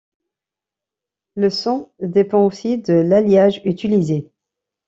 Le son dépend aussi de l'alliage utilisé.